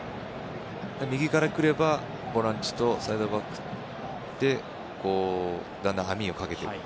右から来ればボランチとサイドバックでだんだん網をかけていく。